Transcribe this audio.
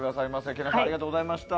けいなさんありがとうございました。